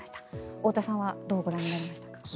太田さんはどうご覧になりましたか？